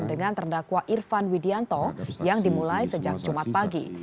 dengan terdakwa irfan widianto yang dimulai sejak jumat pagi